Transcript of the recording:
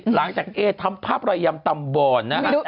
หลังจากเอทำภาพรอยยำตำบอนนะฮะ